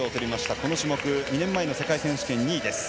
この種目２年前の世界選手権２位です。